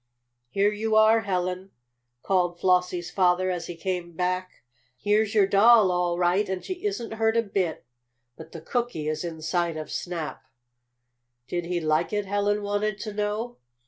"Here you are, Helen!" called Flossie's father, as he came back. "Here's your doll, all right, and she isn't hurt a bit. But the cookie is inside of Snap." "Did he like it?" Helen wanted to know.